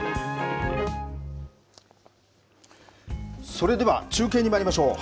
それでは、中継にまいりましょう。